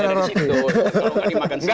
kalau gak dimakan singa